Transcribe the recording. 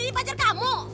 ini pacar kamu